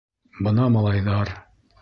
Бына малайҙар...